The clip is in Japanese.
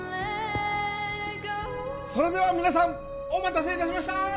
それでは皆さんお待たせいたしました！